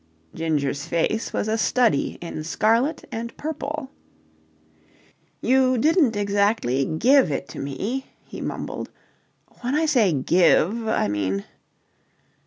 Ginger's face was a study in scarlet and purple. "You didn't exactly give it to me," he mumbled. "When I say give, I mean..."